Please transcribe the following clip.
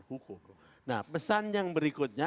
hukum nah pesan yang berikutnya